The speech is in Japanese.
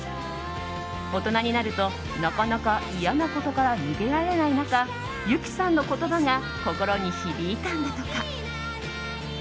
大人になると、なかなか嫌なことから逃げられない中ＹＵＫＩさんの言葉が心に響いたんだとか。